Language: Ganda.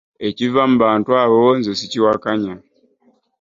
Ekiva mu bantu abo nze ssikiwakanya.